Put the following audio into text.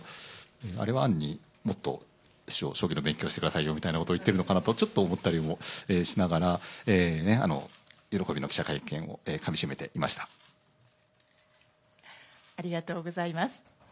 あれはもっと将棋の勉強をしてくださいよと言ってるのかなと、ちょっと思ったりもしながら、喜びの記者会見をかみしめていまありがとうございます。